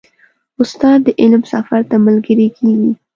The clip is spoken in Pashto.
استاد د علم سفر ته ملګری کېږي.